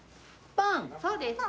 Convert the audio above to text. そうです。